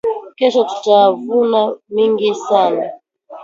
Kesho tuta vuna mingi sana